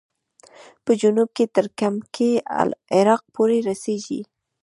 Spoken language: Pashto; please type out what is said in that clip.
په جنوب کې تر کمکي عراق پورې رسېږي.